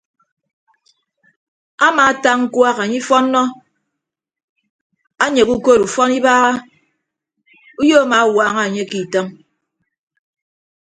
Amaata ñkuak anye ifọnnọ anyeghe ukod ufọn ibagha uyo amaawaaña anye ke itọñ.